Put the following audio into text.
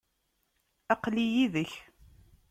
aql-i yid-k.